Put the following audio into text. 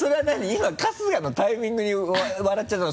今春日のタイミングに笑っちゃったの？